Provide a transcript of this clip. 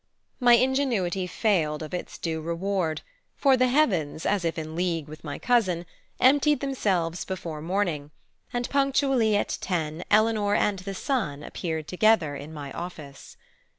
My ingenuity failed of its due reward; for the heavens, as if in league with my cousin, emptied themselves before morning, and punctually at ten Eleanor and the sun appeared together in my office.